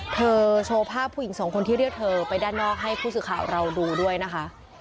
โชว์ภาพผู้หญิงสองคนที่เรียกเธอไปด้านนอกให้ผู้สื่อข่าวเราดูด้วยนะคะ